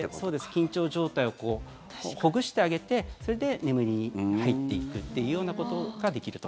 緊張状態をほぐしてあげてそれで眠りに入っていくというようなことができると。